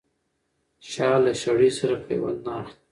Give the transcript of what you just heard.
شال له شړۍ سره پيوند نه اخلي.